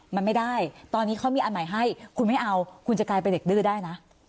มันไม่ได้ตอนนี้เขามีอันใหม่ให้คุณไม่เอาคุณจะกลายเป็นเด็กดื้อได้นะ